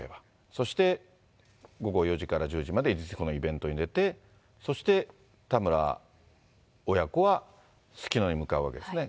そして、午後４時から１０時までディスコのイベントに出て、そして田村親子はすすきのへ向かうわけですね。